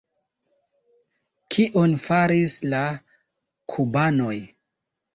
Kion faris la kubanoj?